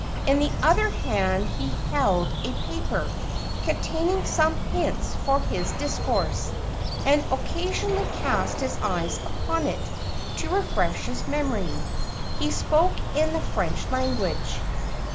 In the other hand he held a paper, containing some hints for his discourse, and occa sionally cast his eyes upon it, to refresh his memory. He spoke in the French language.